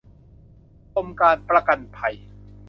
กรมการประกันภัย